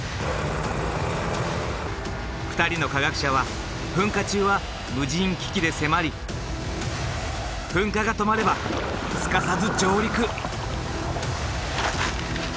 ２人の科学者は噴火中は無人機器で迫り噴火が止まればすかさず上陸。